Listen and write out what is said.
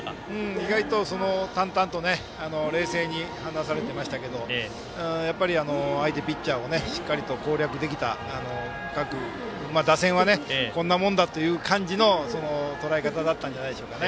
意外と淡々と冷静に話されてましたけど相手ピッチャーをしっかりと攻略できた各打線はこんなもんだという感じのとらえ方だったんじゃないでしょうか。